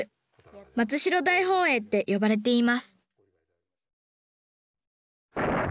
「松代大本営」って呼ばれています